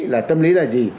là tâm lý là gì